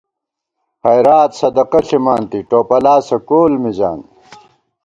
خَیرات صدَقہ ݪِمانتی ، ٹوپَلاسہ کول مِزان